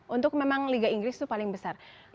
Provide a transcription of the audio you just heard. untuk memang liga inggris itu paling besar